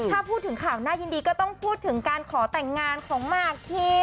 ถ้าพูดถึงข่าวน่ายินดีก็ต้องพูดถึงการขอแต่งงานของหมากคีม